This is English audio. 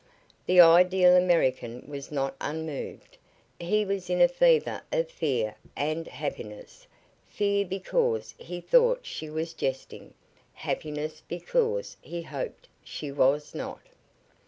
The ideal American was not unmoved. He was in a fever of fear and happiness, fear because he thought she was jesting, happiness because he hoped she was not.